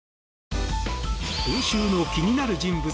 今週の気になる人物